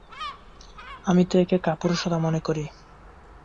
আমি তো একে কাপুরুষতা মনে করি।